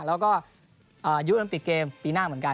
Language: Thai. แล้วก็ยุโรปิกเกมปีหน้าเหมือนกัน